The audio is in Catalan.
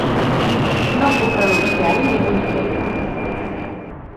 No puc renunciar-hi ni vull fer-ho.